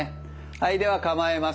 はいでは構えます。